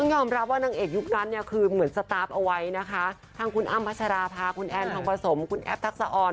ยอมรับว่านางเอกยุคนั้นเนี่ยคือเหมือนสตาร์ฟเอาไว้นะคะทางคุณอ้ำพัชราภาคุณแอนทองผสมคุณแอฟทักษะออน